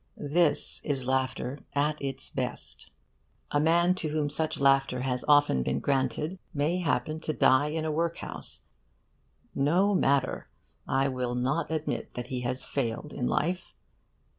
This is laughter at its best. A man to whom such laughter has often been granted may happen to die in a work house. No matter. I will not admit that he has failed in life.